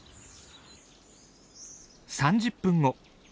３０分後。